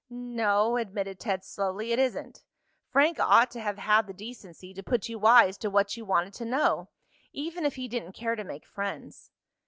"No," admitted Ted slowly. "It isn't. Frank ought to have had the decency to put you wise to what you wanted to know, even if he didn't care to make friends."